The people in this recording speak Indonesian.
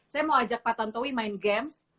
saya mau ajak pak tantowi main games